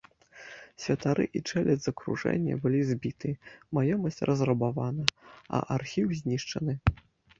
Святары і чэлядзь з акружэння былі збіты, маёмасць разрабавана, а архіў знішчаны.